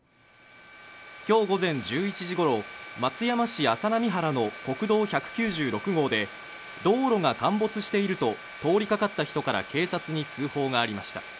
今日午前１１時ごろ、松山市浅海原の国道１９６号で道路が陥没していると通りかかった人から警察に通報がありました。